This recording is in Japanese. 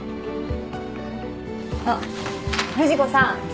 あっ富士子さん